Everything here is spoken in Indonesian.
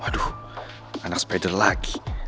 waduh anak spider lagi